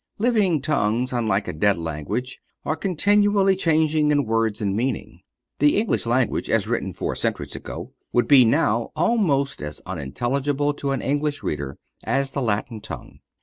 Living tongues, unlike a dead language, are continually changing in words and meaning. The English language as written four centuries ago would be now almost as unintelligible to an English reader as the Latin tongue.